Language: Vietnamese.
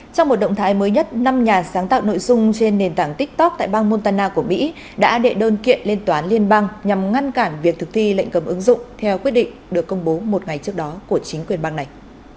trong một động thái mới nhất năm nhà sáng tạo nội dung trên nền tảng tiktok tại bang montana của mỹ đã đệ đơn kiện lên toán liên bang nhằm ngăn cản việc thực thi lệnh cấm ứng dụng theo quyết định được công bố một ngày trước đó của chính quyền bang này